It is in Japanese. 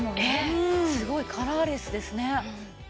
すごいカラーレスですね。